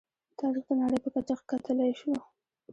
تاریخ د نړۍ په کچه کتلی شو.